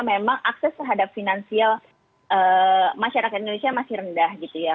memang akses terhadap finansial masyarakat indonesia masih rendah gitu ya